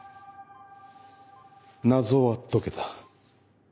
謎は解けた。